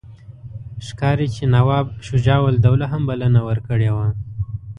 ښکاري چې نواب شجاع الدوله هم بلنه ورکړې وه.